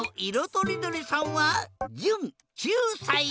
とりどりさんはじゅん９さい。